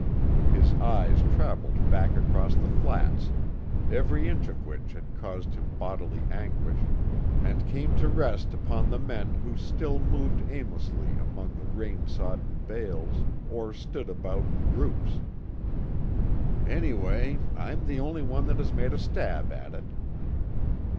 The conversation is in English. His eyes travelled back across the flats, every inch of which had caused him bodily anguish, and came to rest upon the men who still moved aimlessly among the rain sodden bales, or stood about in groups. "Anyway I'm the only one that has made a stab at it."